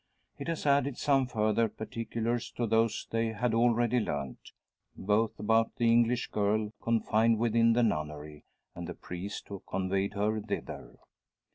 It has added some further particulars to those they had already learnt, both about the English girl confined within the nunnery and the priest who conveyed her thither.